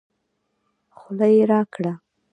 خوله يې راګړه